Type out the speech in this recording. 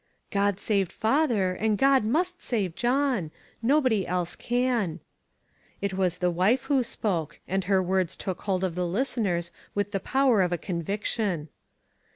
"God saved father, and God must save John. Nobody else can." It was the wife who spoke, and her words took hold of the listeners with the power of a conviction.